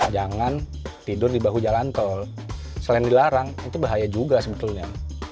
jangan tidur di bahu jalan tol selain dilarang itu bahaya juga sebetulnya